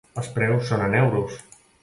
Els preus són en euros.